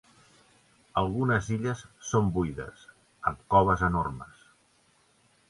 Algunes illes són buides, amb coves enormes.